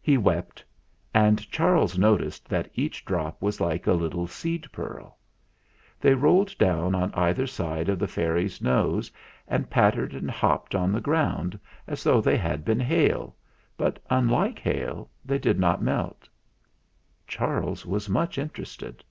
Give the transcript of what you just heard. He wept, and Charles noticed that each drop was like a little seed pearl. They rolled down on either side of the fairy's nose and pattered and hopped on the ground as though they had been hail ; but, unlike hail, they did not melt. Charles was much interested.